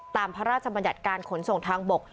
พระราชบัญญัติการขนส่งทางบก